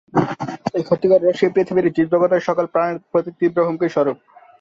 এই ক্ষতিকর রশ্মি পৃথিবীর জীবজগতের সকল প্রাণের প্রতি তীব্র হুমকি স্বরূপ।